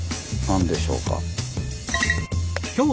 何でしょうか。